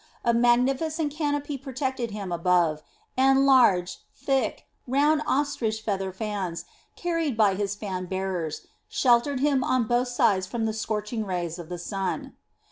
A magnificent canopy protected him above, and large, thick, round ostrich feather fans, carried by his fan bearers, sheltered him on both sides from the scorching rays of the sun.